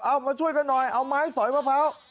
มาช่วยกันหน่อยเอาไม้สอยมะพร้าว